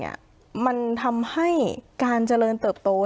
เพราะฉะนั้นทำไมถึงต้องทำภาพจำในโรงเรียนให้เหมือนกัน